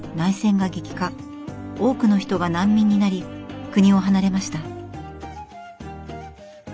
多くの人が難民になり国を離れました。